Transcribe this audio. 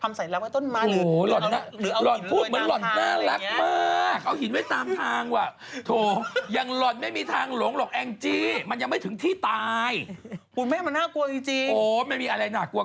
เพราะว่าให้เอาแบบว่าพรัมใส่ร้ำใกล้ต้นมาหรือเอาหยินชะเป็นนานทาง